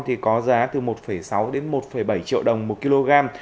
thì có giá từ một sáu đến một bảy triệu đồng một kg